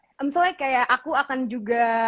i'm sorry kayak aku akan juga